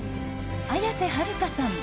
綾瀬はるかさん